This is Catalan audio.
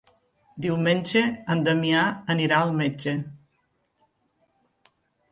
Diumenge en Damià anirà al metge.